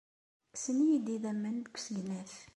Kksen-iyi-d idammen deg usegnaf.